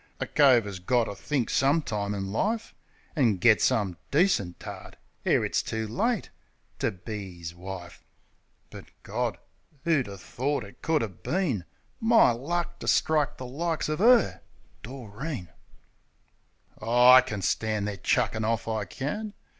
A cove 'as got to think some time in life An' get some decent tart, ere it's too late, To be 'is wife. But, Gawd! 'Oo would 'a' thort it could 'a' been My luck to strike the likes of 'er? ... Doreen! Aw, I can stand their chuckin' off, I can.